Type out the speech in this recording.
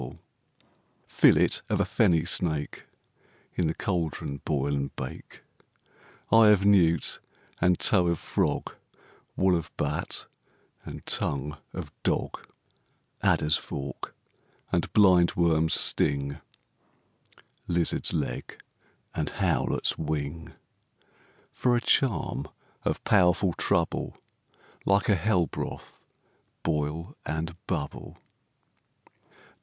SECOND WITCH. Fillet of a fenny snake, In the cauldron boil and bake; Eye of newt, and toe of frog, Wool of bat, and tongue of dog, Adder's fork, and blind worm's sting, Lizard's leg, and howlet's wing, For a charm of powerful trouble, Like a hell broth boil and bubble.